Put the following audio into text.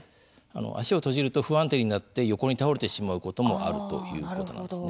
足を閉じると不安定になって横に倒れてしまうこともあるということなんですね。